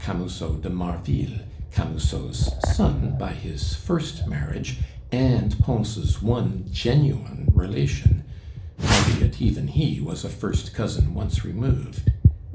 Camusot de Marville, Camusot's son by his first marriage, and Pons' one genuine relation, albeit even he was a first cousin once removed.